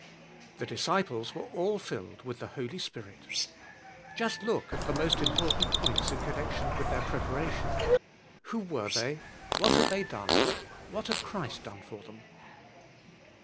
The disciples were all filled with the Holy Spirit. Just look at the most important points in connec tion with their preparation: — Who were they? What had they done? What had Christ done for them?